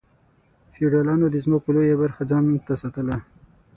فیوډالانو د ځمکو لویه برخه ځان ته ساتله.